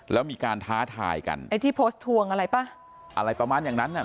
แล้วมีการท้าทายกันไอ้ที่โพสต์ทวงอะไรป่ะอะไรประมาณอย่างนั้นอ่ะ